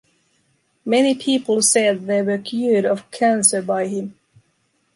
Many people said they were cured of cancer by him.